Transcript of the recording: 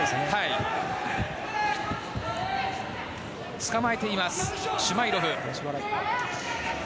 つかまえていますシュマイロフ。